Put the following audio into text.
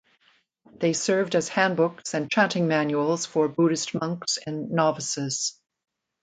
They served as handbooks and chanting manuals for Buddhist monks and novices.